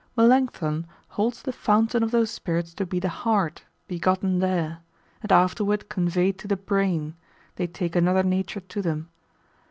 Melancthon holds the fountain of those spirits to be the heart, begotten there; and afterward conveyed to the brain, they take another nature to them.